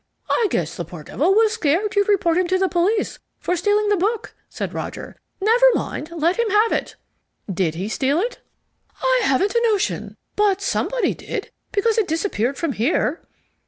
"I guess the poor devil was scared you'd report him to the police for stealing the book," said Roger. "Never mind, let him have it." "Did he steal it?" "I haven't a notion. But somebody did, because it disappeared from here."